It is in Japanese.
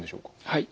はい。